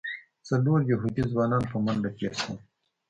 څلور یهودي ځوانان په منډه تېر شول.